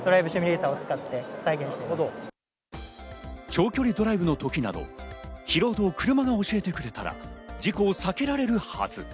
長距離ドライブの時など、疲労度を車が教えてくれたら事故を避けられるはず。